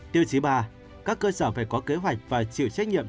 tiêu chí ba các cơ sở phải có kế hoạch và chịu trách nhiệm